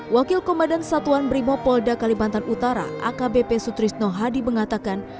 wakil komandan satuan brimopolda kalimantan utara akbp sutrisno hadi mengatakan